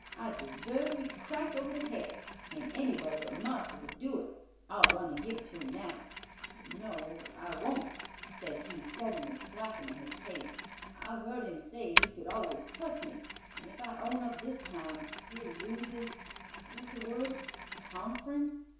I deserve to be cracked over the head, and anybody but marster would do it. I'll run and give it to him now—but no, I won't," said he, suddenly slackening his pace, "I've heard him say he could always trust me, and if I own up this time, he'll lose his—what's the word? Conference?